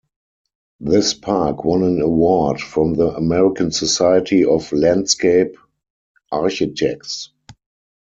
This park won an award from the American Society of Landscape Architects.